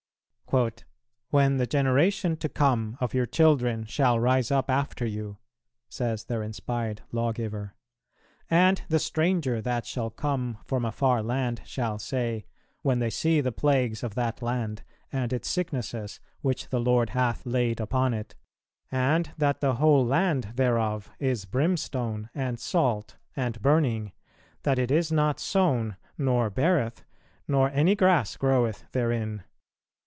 "When the generation to come of your children shall rise up after you," says their inspired lawgiver, "and the stranger that shall come from a far land shall say, when they see the plagues of that land, and its sicknesses which the Lord hath laid upon it; and that the whole land thereof is brimstone, and salt, and burning, that it is not sown, nor beareth, nor any grass groweth therein